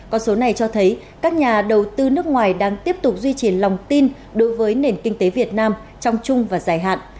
con số này cho thấy các nhà đầu tư nước ngoài đang tiếp tục duy trì lòng tin đối với nền kinh tế việt nam trong chung và dài hạn